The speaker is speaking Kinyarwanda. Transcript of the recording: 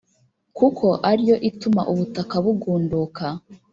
kuko ari yo ituma ubutaka bugunduka